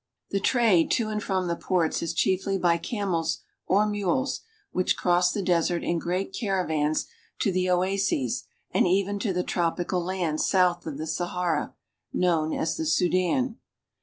The trade to and from the ports is chiefly by camels or mules, which cross the desert in great caravans to the oases and even to the tropical lands south of the Sahara, known as the Sudan.